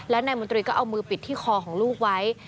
และนายมนตรีก็เอามือปิดที่คอของลูกไว้